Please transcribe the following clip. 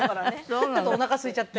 ちょっとおなかすいちゃって。